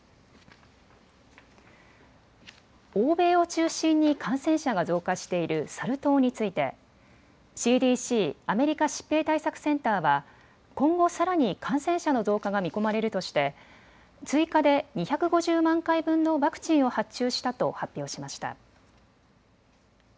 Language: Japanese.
欧米を中心に感染者が増加しているサル痘についてＣＤＣ・アメリカ疾病対策センターは今後、さらに感染者の増加が見込まれるとして追加で２５０万回分のワクチンを発注したと発表しました。